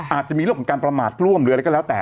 อาจจะมีเรื่องของการประมาทร่วมหรืออะไรก็แล้วแต่